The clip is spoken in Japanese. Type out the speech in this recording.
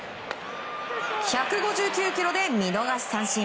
１５９キロで見逃し三振。